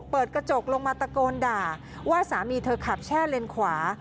เปิดกระจกลงมาตะโกนด่าว่าสามีเธอขับแช่เลนขวา